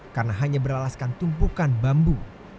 karena hanya beralaskan tumpukan bambu